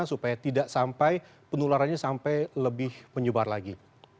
supaya tidak sampai penularannya sampai lebih menyebar lagi